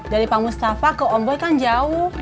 dari pak mustafa ke om boy kan jauh